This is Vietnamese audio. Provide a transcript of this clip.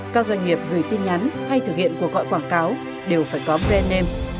các doanh nghiệp gửi tin nhắn hay thực hiện cuộc gọi quảng cáo đều phải có brand name